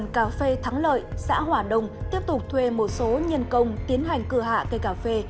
cà phê thắng lợi xã hòa đồng tiếp tục thuê một số nhân công tiến hành cửa hạ cây cà phê